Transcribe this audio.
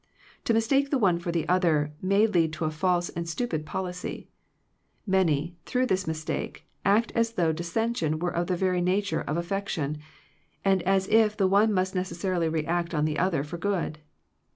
To mistake the one for the other, may lead to a false and stupid policy. Many, through this mis take, act as though dissension were of the very nature of affection, and as if the one must necessarily react on the other for good.